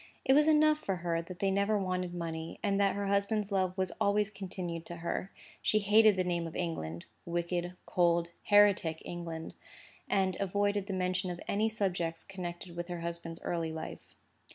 It was enough for her that they never wanted money, and that her husband's love was always continued to her. She hated the name of England—wicked, cold, heretic England—and avoided the mention of any subjects connected with her husband's early life.